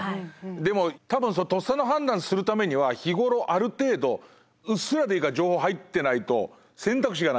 でもたぶんとっさの判断するためには日頃ある程度うっすらでいいから情報入ってないと選択肢がないから。